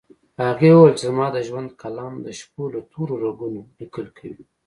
هغې وويل چې زما د ژوند قلم د شپو له تورو رګونو ليکل کوي